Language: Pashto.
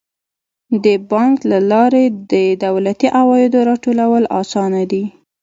د بانک له لارې د دولتي عوایدو راټولول اسانه دي.